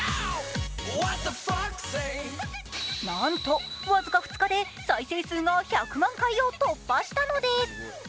なんと僅か２日で再生数が１００万回を突破したのです。